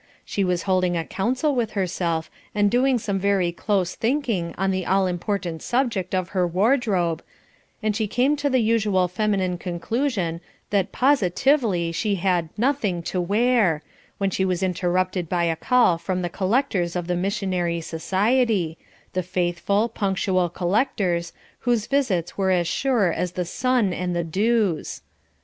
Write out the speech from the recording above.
She was holding a counsel with herself, and doing some very close thinking on the all important subject of her wardrobe, and she came to the usual feminine conclusion that "positively" she had "nothing to wear," when she was interrupted by a call from the collectors of the missionary society the faithful, punctual collectors, whose visits were as sure as the sun and the dews.